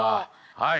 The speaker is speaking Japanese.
はい。